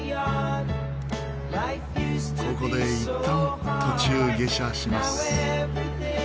ここでいったん途中下車します。